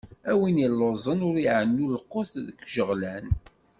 A win illuẓen, ur ɛennu lqut d-ijeɣlen!